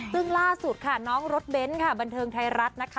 ซึ่งล่าสุดค่ะน้องรถเบ้นค่ะบันเทิงไทยรัฐนะคะ